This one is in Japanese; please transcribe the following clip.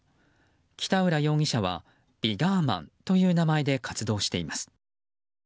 北浦容疑者はＶＩＧＯＲＭＡＮという名前で活動しています。